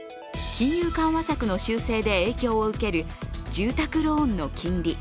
金融緩和策の修正で影響を受ける住宅ローンの金利。